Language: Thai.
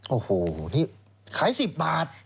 โอ้โหนี่ขาย๑๐บาท